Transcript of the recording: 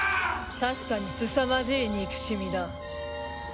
確かにすさまじい憎しみだ。